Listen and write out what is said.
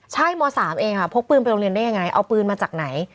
ใช่ม๓เองค่ะพกปืนไปโรงเรียนได้ยังไงเอาปืนมาจากไหน